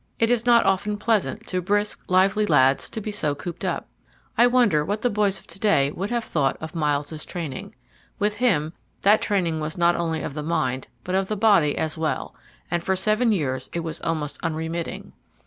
It is not often pleasant to brisk, lively lads to be so cooped up. I wonder what the boys of to day would have thought of Myles's training. With him that training was not only of the mind, but of the body as well, and for seven years it was almost unremitting.